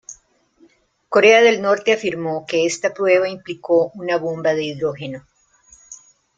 Corea del Norte afirmó que esta prueba implicó una bomba de hidrógeno.